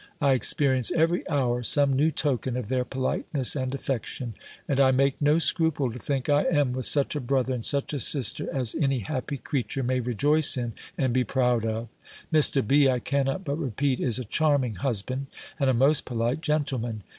I experience every hour some new token of their politeness and affection; and I make no scruple to think I am with such a brother, and such a sister as any happy creature may rejoice in, and be proud of. Mr. B. I cannot but repeat, is a charming husband, and a most polite gentleman.